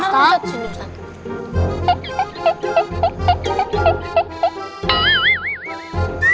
yang bener lah